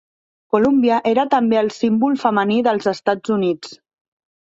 Columbia era també el símbol femení dels Estats Units.